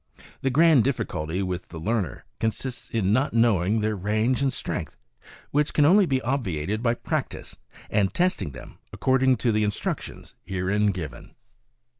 The grand difficulty with the learner consists in not knowing their range and strength, which can only be obviated by practice, and testing them according to the instructions herein given.